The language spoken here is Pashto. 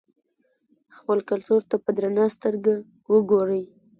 خپل کلتور ته په درنه سترګه وګورئ.